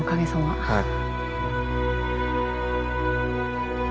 はい。